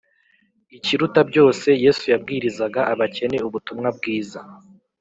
Ikiruta byose yesu yabwirizaga abakene ubutumwa bwiza